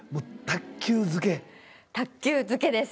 卓球漬けです。